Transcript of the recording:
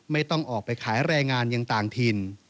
ไม่ต้องออกไปขายแรงงานยังต่างถิ่น